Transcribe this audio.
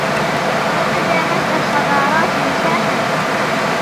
وارتدى مجد الحضارات وشاحا